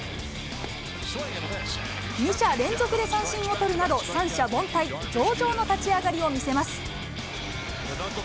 ２者連続で三振を取るなど、三者凡退、上々の立ち上がりを見せます。